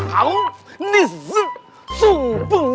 assalamu'alaikum pak d